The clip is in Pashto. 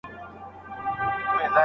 موږ بايد خپل وخت کې کار وکړو.